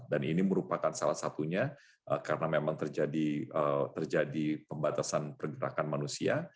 dan ini merupakan salah satunya karena memang terjadi pembatasan pergerakan manusia